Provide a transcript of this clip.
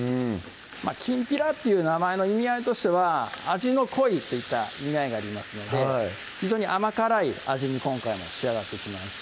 きんぴらっていう名前の意味合いとしては味の濃いといった意味合いがありますので非常に甘辛い味に今回も仕上がっていきます